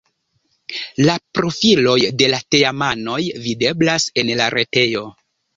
La profiloj de la teamanoj videblas en la retejo.